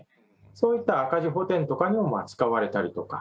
そういった赤字補填とかにも使われたりとか。